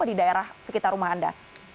di daerah sekitar rumah anda